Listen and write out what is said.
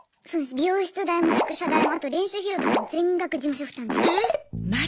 美容室代も宿舎代もあと練習費用とかも全額事務所負担です。